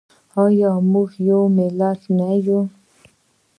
آیا موږ یو ملت نه یو؟